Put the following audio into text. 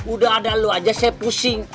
udah ada lo aja saya pusing